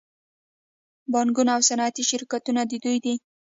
بانکونه او صنعتي شرکتونه د دوی دي